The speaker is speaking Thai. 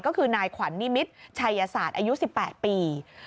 ก็คือนายขวัญนิมิตรชัยศาสตร์อายุ๑๘ปี